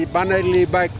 mana yang lebih baik